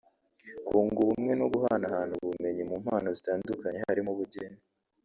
kunga ubumwe no guhanahana ubumenyi mu mpano zitandukanye harimo ubugeni